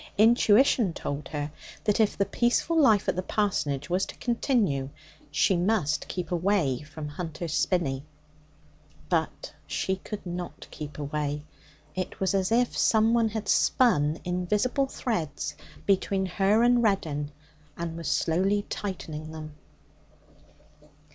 Intuition told her that if the peaceful life at the parsonage was to continue, she must keep away from Hunter's Spinney. But she could not keep away. It was as if someone had spun invisible threads between her and Reddin, and was slowly tightening them.